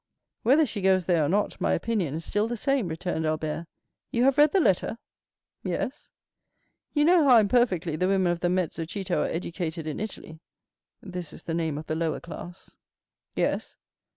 "Whether she goes there or not, my opinion is still the same," returned Albert. "You have read the letter?" "Yes." "You know how imperfectly the women of the mezzo cito are educated in Italy?" (This is the name of the lower class.) "Yes."